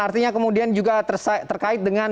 artinya kemudian juga terkait dengan